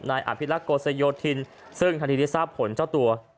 อภิรักษ์โกสโยธินซึ่งทันทีที่ทราบผลเจ้าตัว